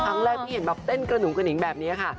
ครั้งแรกที่เห็นแบบเต้นกระหุงกระหนิงแบบนี้ค่ะ